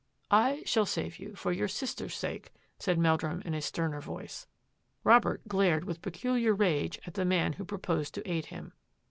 " I shall save you for your sister's sake," said Meldrum in sterner voice. Robert glared with peculiar rage at the man who proposed to aid him.